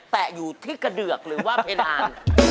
แตะอยู่ที่กระเดือกหรือว่าเพดาน